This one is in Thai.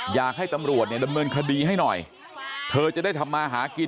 อยากให้ตำรวจเนี่ยดำเนินคดีให้หน่อยเธอจะได้ทำมาหากิน